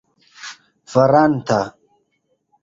faranta